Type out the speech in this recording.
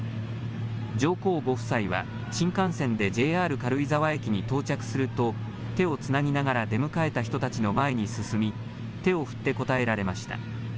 上皇ご夫妻は新幹線でＪＲ軽井沢駅に到着すると手をつなぎながら出迎えた人たちの前に進み手を振って応えられました。